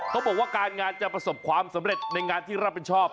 เขาบอกว่าการงานจะประสบความสำเร็จในงานที่รับผิดชอบ